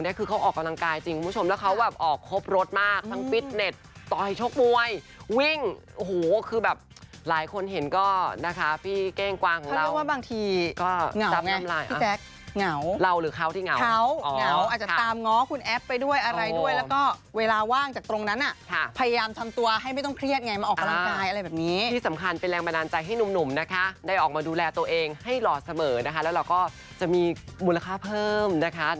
แต่คุณผู้ชมหุ่นอันนี้คือนางปั้นเองนะ